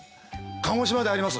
鹿児島であります。